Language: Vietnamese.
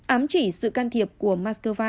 ám chỉ sự can thiệp của moscow